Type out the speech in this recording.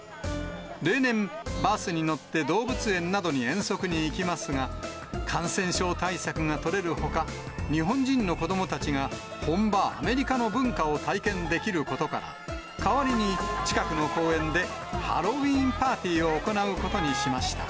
例年、バスに乗って動物園などに遠足に行きますが、感染症対策が取れるほか、日本人の子どもたちが、本場アメリカの文化を体験できることから、代わりに、近くの公園でハロウィーンパーティーを行うことにしました。